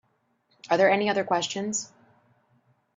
Are there any other questions?